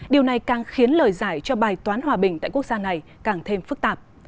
điều này càng khiến lời giải cho bài toán hòa bình tại quốc gia này càng thêm phức tạp